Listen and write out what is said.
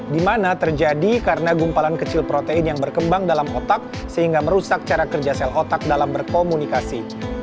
di mana terjadi karena gumpalan kecil protein yang berkembang dalam otak sehingga merusak cara kerja sel otak dalam berkomunikasi